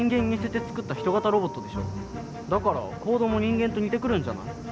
だから行動も人間と似てくるんじゃない？